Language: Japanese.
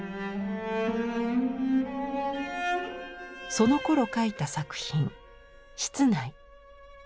そのころ描いた作品「室内」。